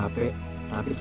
tapi tetap cantik ya